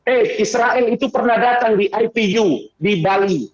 eh israel itu pernah datang di ipu di bali